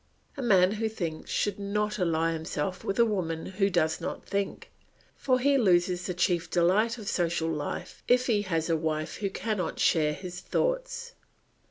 A man who thinks should not ally himself with a woman who does not think, for he loses the chief delight of social life if he has a wife who cannot share his thoughts.